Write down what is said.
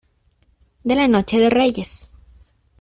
de la noche de Reyes.